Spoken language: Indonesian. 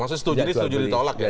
maksudnya setuju ditolak ya